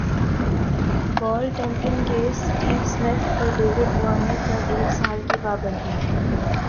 بال tampering case Steve Smith اور David Warner پر ایک سال کی پابندی